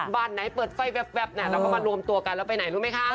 บ้านไหนเปิดไฟแว๊บเราก็มารวมตัวกันแล้วไปไหนรู้ไหมคะ